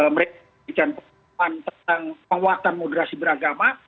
mereka memberikan penguatan moderasi beragama